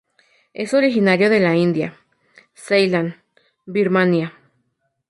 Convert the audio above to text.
Es originario de la India, Ceilán, Birmania.